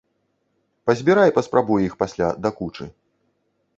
Пазбірай паспрабуй іх пасля да кучы.